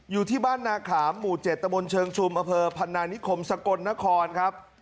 อยู่ที่บ้านนาขามหมู่๗ตะบนเชิงชุมอำเภอพันนานิคมสกลนครครับ